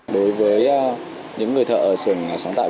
đối với những người thợ sưởng sáng tạo